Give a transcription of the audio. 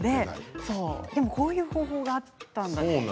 でも、こういう方法があったんですね。